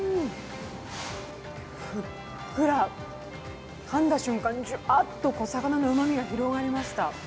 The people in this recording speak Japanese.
ふっくら、かんだ瞬間にジュワッと魚のうまみが広がりました。